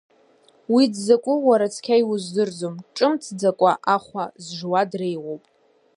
Уи дзакәу уара цқьа иуздырӡом, ҿымҭӡакәа ахәа зжуа дреиуоуп.